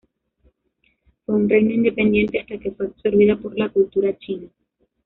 Fue un reino independiente hasta que fue absorbida por la cultura china.